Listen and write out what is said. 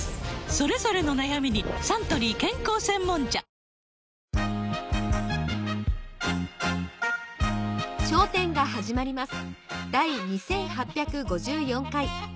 それぞれの悩みにサントリー健康専門茶『笑点』の時間がやってまいりました。